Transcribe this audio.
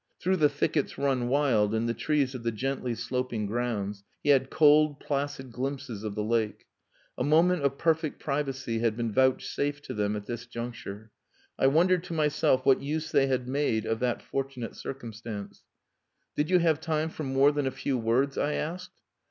Through the thickets run wild, and the trees of the gently sloping grounds, he had cold, placid glimpses of the lake. A moment of perfect privacy had been vouchsafed to them at this juncture. I wondered to myself what use they had made of that fortunate circumstance. "Did you have time for more than a few words?" I asked.